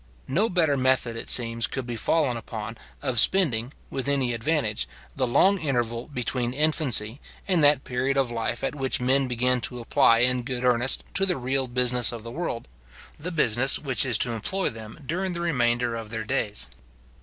No better method, it seems, could be fallen upon, of spending, with any advantage, the long interval between infancy and that period of life at which men begin to apply in good earnest to the real business of the world, the business which is to employ them during the remainder of their days.